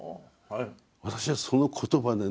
私はその言葉でね